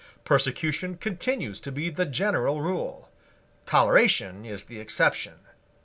Persecution continues to be the general rule. Toleration is the exception.